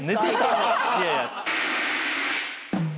いやいや。